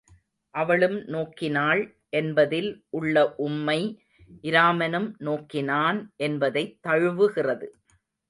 அவளும் நோக்கினாள் என்பதில் உள்ள உம்மை, இராமனும் நோக்கினான் என்பதைத் தழுவுகிறது.